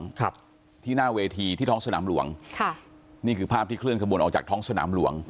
ครับที่หน้าเวทีที่ท้องสนามหลวงค่ะนี่คือภาพที่เคลื่อขบวนออกจากท้องสนามหลวง